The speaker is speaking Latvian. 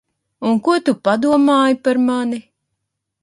Un ko tu padomāji par mani?